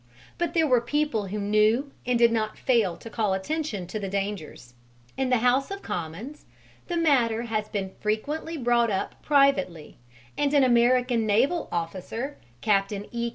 But there were people who knew and did not fail to call attention to the dangers: in the House of Commons the matter has been frequently brought up privately, and an American naval officer, Captain E.